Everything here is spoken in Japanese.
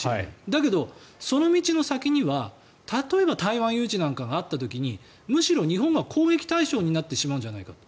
だけど、その道の先には例えば台湾有事なんかがあった時にむしろ日本が攻撃対象になってしまうんじゃないかと。